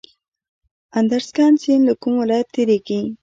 ادرسکن سیند له کوم ولایت تیریږي؟